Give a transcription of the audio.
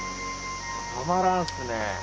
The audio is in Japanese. たまらんっすね。